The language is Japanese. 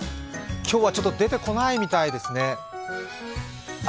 今日は出てこないみたいですね。